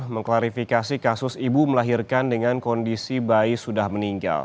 mengklarifikasi kasus ibu melahirkan dengan kondisi bayi sudah meninggal